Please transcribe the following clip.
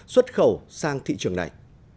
xuất khẩu sang thị trường này